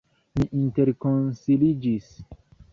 Ni interkonsiliĝis.